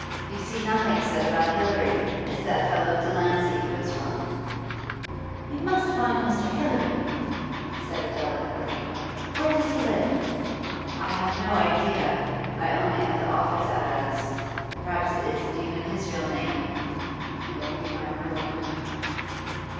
You see, nothing's said about Hilary. It's that fellow Delancey who has run.' 'You must find Mr. Hilary,' said Adela urgently. 'Where does he live?' 'I have no idea. I only had the office address. Perhaps it isn't even his real name. It'll be my ruin.